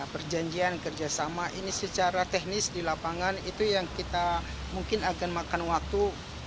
perjanjian kerjasama ini secara teknis di lapangan itu yang kita mungkin akan makan waktu